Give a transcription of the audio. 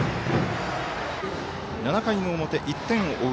７回の表、１点を追う